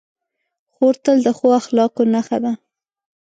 خور تل د ښو اخلاقو نښه ده.